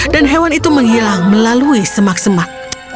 dan hewan itu menghilang melalui semak semak